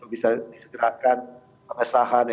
bisa disegerakan pemesahan